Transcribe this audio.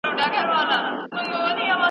جاسوس بايد راز افشا نه کړي.